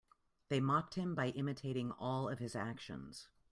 They mocked him by imitating all of his actions.